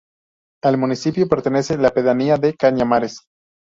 Al municipio pertenece la pedanía de Cañamares.